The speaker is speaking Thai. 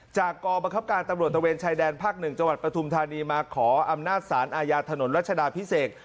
กรบังคับการตำรวจตะเวนชายแดนภาค๑จังหวัดปฐุมธานีมาขออำนาจสารอาญาถนนรัชดาพิเศษ